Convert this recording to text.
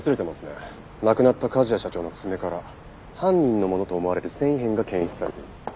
亡くなった梶谷社長の爪から犯人のものと思われる繊維片が検出されています。